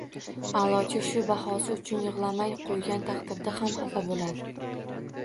Aʼlochi shu bahosi uchun yig‘lamay qo‘ygan taqdirida ham xafa bo‘ladi